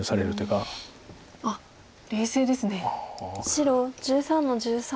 白１３の十三。